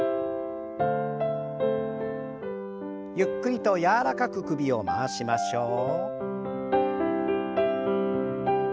ゆっくりと柔らかく首を回しましょう。